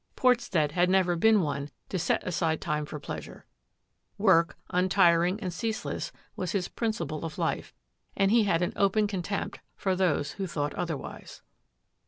Port stead had never been one to set aside time for pleasure; work, untiring and ceaseless, was his principle of life, and he had an open contempt for those who thought otherwise.